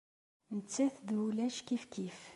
Nettat d wulac kifkif.